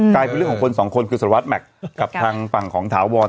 กลายเป็นเรื่องของคนสองคนคือสารวัสดิแม็กซ์กับทางฝั่งของถาวร